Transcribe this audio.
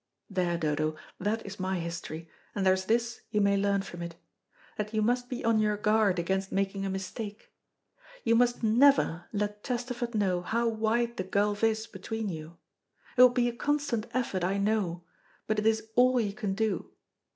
There, Dodo, that is my history, and there is this you may learn from it, that you must be on your guard against making a mistake. You must never let Chesterford know how wide the gulf is between you. It will be a constant effort, I know, but it is all you can do.